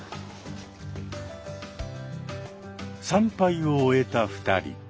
参拝を終えた２人。